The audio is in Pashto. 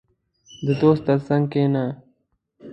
• د دوست تر څنګ کښېنه.